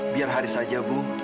biar haris saja bu